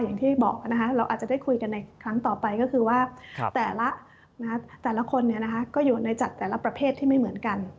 อย่างที่บอกเราอาจจะได้คุยกันในครั้งต่อไปก็คือว่าแต่ละคนก็อยู่ในจัดแต่ละประเภทที่ไม่เหมือนกัน